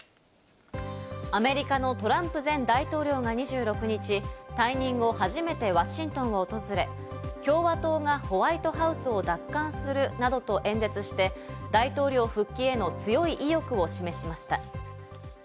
アメリカのトランプ前大統領が２６日、退任後初めてワシントンを訪れ、共和党がホワイトハウスを奪還するなどと演説して、大統領復帰への強い意欲を示しました。